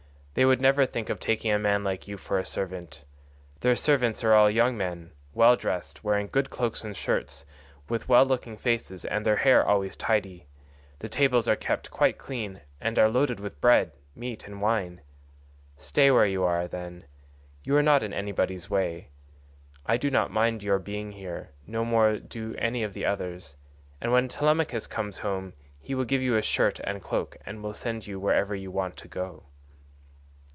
They would never think of taking a man like you for a servant. Their servants are all young men, well dressed, wearing good cloaks and shirts, with well looking faces and their hair always tidy, the tables are kept quite clean and are loaded with bread, meat, and wine. Stay where you are, then; you are not in anybody's way; I do not mind your being here, no more do any of the others, and when Telemachus comes home he will give you a shirt and cloak and will send you wherever you want to go."